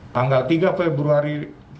tanggal tiga februari dua ribu dua puluh